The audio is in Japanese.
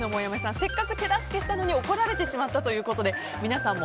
せっかく手助けしたのに怒られてしまったということで皆さんも